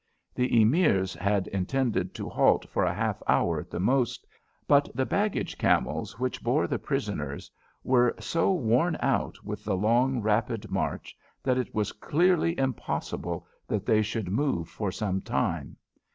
The Emirs had intended to halt for a half hour at the most, but the baggage camels which bore the prisoners were so worn out with the long, rapid march, that it was clearly impossible that they should move for some time.